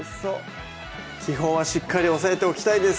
基本はしっかり押さえておきたいです